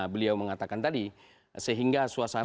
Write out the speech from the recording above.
beliau mengatakan tadi sehingga suasana